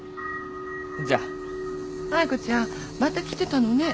亜矢子ちゃんまた来てたのね。